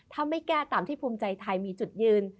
ถ้าไม่แก้ตามที่ภูมิใจไทยมีจุดยืน